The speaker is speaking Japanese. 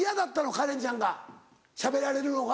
カレンちゃんがしゃべられるのが。